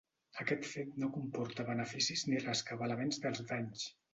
Aquest fet no comporta beneficis ni rescabalaments dels danys.